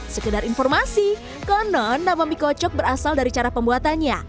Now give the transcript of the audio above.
sekedar informasi konon nama mie kocok berasal dari cara pembuatannya